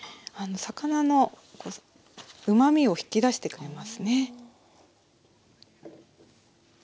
魚のうまみを引き出してくれますね。